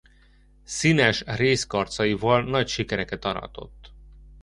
Színes rézkarcaival nagy sikereket aratott.